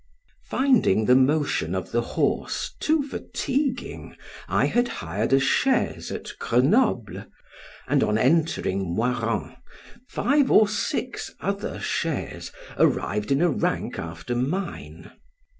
Finding the motion of the horse too fatiguing, I had hired a chaise at Grenoble, and on entering Moirans, five or six other chaises arrived in a rank after mine.